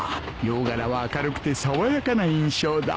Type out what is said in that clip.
洋柄は明るくて爽やかな印象だ